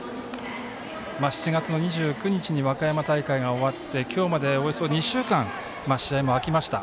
７月２９日に和歌山大会が終わって今日まで、およそ２週間試合もあきました。